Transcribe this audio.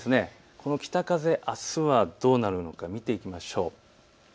この北風あすはどうなるのか見ていきましょう。